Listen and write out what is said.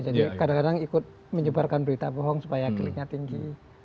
jadi kadang kadang ikut menyebarkan berita bohong supaya kliknya tinggi